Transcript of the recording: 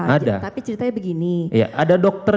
tapi ceritanya begini ada dokter